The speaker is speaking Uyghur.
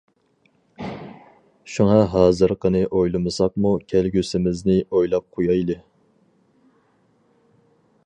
شۇڭا ھازىرقىنى ئويلىمىساقمۇ كەلگۈسىمىزنى ئويلاپ قۇيايلى.